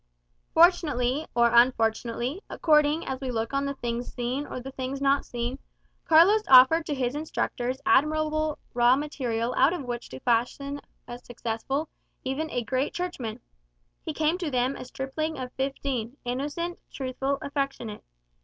Fortunately, or unfortunately, according as we look on the things seen or the things not seen, Carlos offered to his instructors admirable raw material out of which to fashion a successful, even a great Churchman. He came to them a stripling of fifteen, innocent, truthful, affectionate.